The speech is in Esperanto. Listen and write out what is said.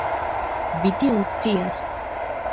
Vi tion scias.